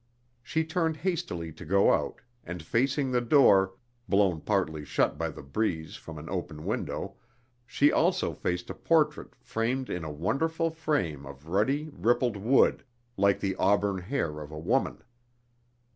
She turned hastily to go out, and facing the door blown partly shut by the breeze from an open window, she also faced a portrait framed in a wonderful frame of ruddy, rippled wood, like the auburn hair of a woman.